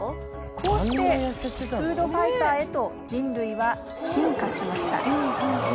こうしてフードファイターへと人類は進化しました。